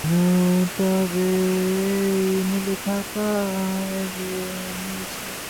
আর এই মনোময় ও ভৌতিক জগৎ সর্বদাই যেন প্রবাহের আকার চলিয়াছে।